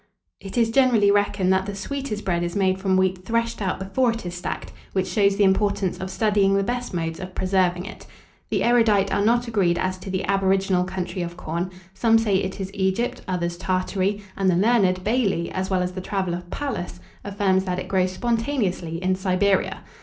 It is generally reckoned that the sweetest bread is made from wheat threshed out before it is stacked; which shows the importance of studying the best modes of preserving it. The erudite are not agreed as to the aboriginal country of corn: some say it is Egypt, others Tartary; and the learned Bailly, as well as the traveller Pallas, affirms that it grows spontaneously in Siberia.